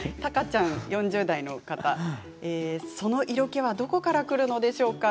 ４０代の方は、その色気はどこからくるのでしょうか